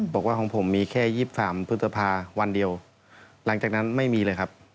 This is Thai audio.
บอกว่าของผมมีแค่๒๓พฤษภาวันเดียวหลังจากนั้นไม่มีเลยครับ